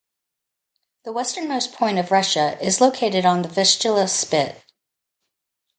The westernmost point of Russia is located on the Vistula Spit.